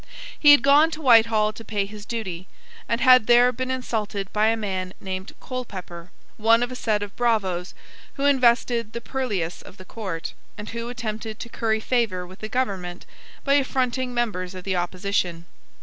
He had gone to Whitehall to pay his duty, and had there been insulted by a man named Colepepper, one of a set of bravoes who invested the perlieus of the court, and who attempted to curry favour with the government by affronting members of the opposition.